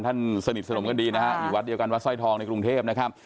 สนิทสนมกันดีนะฮะอยู่วัดเดียวกันวัดสร้อยทองในกรุงเทพนะครับ